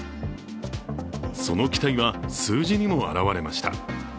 その期待は数字にも表れました。